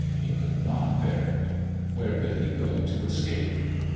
He could not bear it. Where could he go to escape?